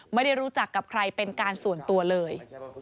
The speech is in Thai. ไม่ได้รู้จักกับใครเป็นการส่วนตัวเลย